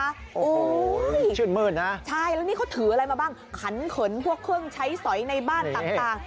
โอ้โหชื่นมืดนะใช่แล้วนี่เขาถืออะไรมาบ้างขันเขินพวกเครื่องใช้สอยในบ้านต่าง